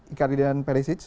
ikari dan perisic